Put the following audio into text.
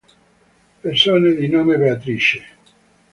Persone di nome Beatrice